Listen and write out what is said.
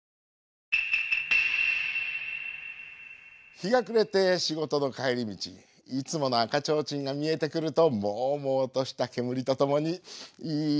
日が暮れて仕事の帰り道いつもの赤ちょうちんが見えてくるともうもうとした煙とともにいい香りだな！